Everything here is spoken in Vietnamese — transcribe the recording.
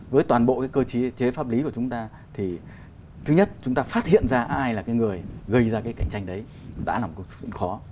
với toàn bộ cái cơ chế pháp lý của chúng ta thì thứ nhất chúng ta phát hiện ra ai là cái người gây ra cái cạnh tranh đấy đã là một câu chuyện khó